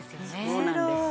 そうなんです。